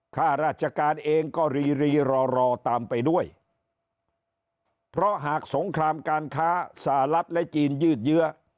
ข้าราชการเองก็รีรีรอรอตามไปด้วยเพราะหากสงครามการค้าสหรัฐและจีนยืดเยื้อ